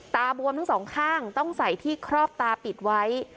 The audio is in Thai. บวมทั้งสองข้างต้องใส่ที่ครอบตาปิดไว้